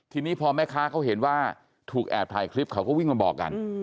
ทีนี้พอแม่ค้าเขาเห็นว่าถูกแอบถ่ายคลิปเขาก็วิ่งมาบอกกัน